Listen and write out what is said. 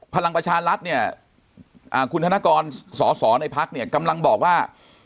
พลังประชารัฐเนี่ยคุณธนกรสอสอในพักเนี่ยกำลังบอกว่า